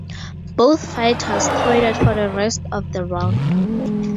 Both fighters traded for the rest of the round.